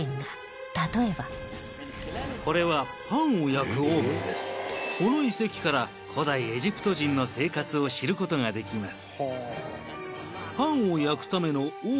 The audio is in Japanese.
例えばこの遺跡から古代エジプト人の生活を知る事ができます。